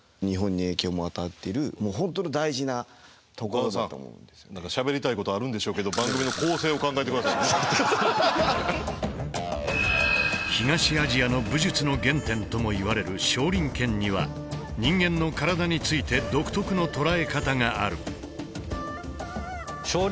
岡田さん何かしゃべりたいことあるんでしょうけど東アジアの武術の原点ともいわれる少林拳には人間の体について独特の捉え方がある。